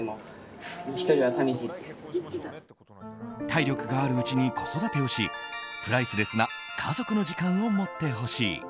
体力があるうちに子育てをしプライスレスな家族の時間を持ってほしい。